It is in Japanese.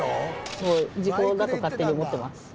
もう時効だと勝手に思ってます。